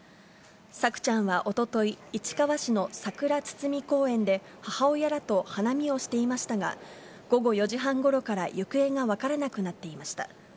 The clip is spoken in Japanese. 朔ちゃんはおととい、市川市のさくら堤公園で母親らと花見をしていましたが、午後４時半ごろから行方が分からなくなっていました。